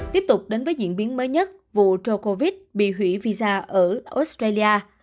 tiếp tục đến với diễn biến mới nhất vụ rocovite bị hủy visa ở australia